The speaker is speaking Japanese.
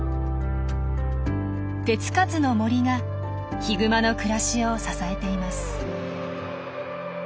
手付かずの森がヒグマの暮らしを支えています。